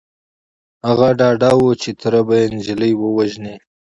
هغه ډاډه و چې تره به يې نجلۍ ووژني.